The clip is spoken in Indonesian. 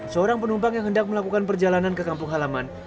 seorang penumpang yang hendak melakukan perjalanan ke kampung halaman